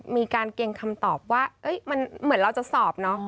มีการเกรงคำตอบว่ามันเหมือนเราจะสอบเนอะ